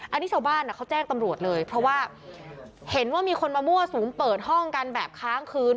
อันนี้ชาวบ้านเขาแจ้งตำรวจเลยเพราะว่าเห็นว่ามีคนมามั่วสุมเปิดห้องกันแบบค้างคืน